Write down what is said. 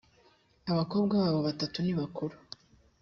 abakobwa babo batatu nibakuru.